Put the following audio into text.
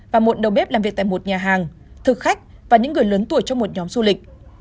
và một đầu bếp làm việc tại một nhà hàng thực khách và những người lớn tuổi trong một nhóm du lịch